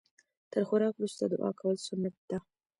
تر خوراک وروسته دعا کول سنت ده